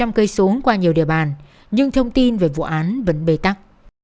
các tổ công thác đã rơi xuống qua nhiều địa bàn nhưng thông tin về vụ án vẫn bề tắc